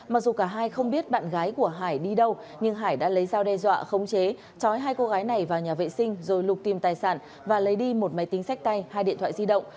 mặc dù cả hai không biết bạn gái của hải đi đâu nhưng hải đã lấy dao đe dọa khống chế chói hai cô gái này vào nhà vệ sinh rồi lục tìm tài sản và lấy đi một máy tính sách tay hai điện thoại di động